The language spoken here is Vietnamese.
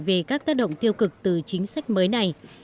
về các tác động tiêu cực từ chính sách mới này